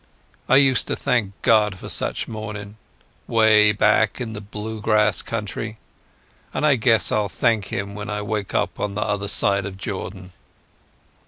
I used to thank God for such mornings way back in the Blue Grass country, and I guess I'll thank Him when I wake up on the other side of Jordan."